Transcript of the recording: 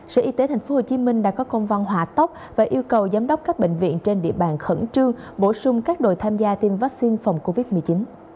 sở y tế tp hcm đã có công văn hỏa tốc và yêu cầu giám đốc các bệnh viện trên địa bàn khẩn trương bổ sung các đội tham gia tiêm vaccine phòng covid một mươi chín